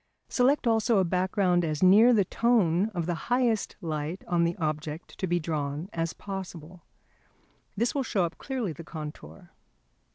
Select also a background as near the tone of the highest light on the object to be drawn as possible. This will show up clearly the contour.